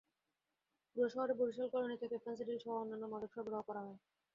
পুরো শহরে বরিশাল কলোনি থেকে ফেনসিডিলসহ অন্যান্য মাদক সরবরাহ করা হয়।